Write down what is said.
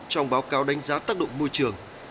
trong báo cáo đánh giá tác động môi trường